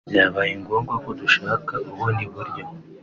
byabaye ngombwa ko dushaka ubundi buryo